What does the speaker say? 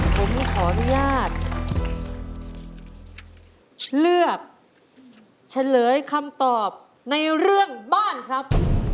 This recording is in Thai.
ผมขออนุญาตเลือกเฉลยคำตอบในเรื่องบ้านครับ